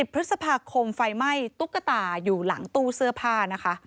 พฤษภาคมไฟไหม้ตุ๊กตาอยู่หลังตู้เสื้อผ้านะคะ